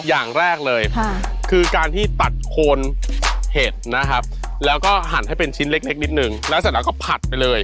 อย่างแรกเลยคือการที่ตัดโคนเห็ดนะครับแล้วก็หั่นให้เป็นชิ้นเล็กนิดนึงแล้วเสร็จแล้วก็ผัดไปเลย